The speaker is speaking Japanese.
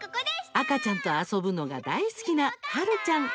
赤ちゃんと遊ぶのが大好きなはるちゃん。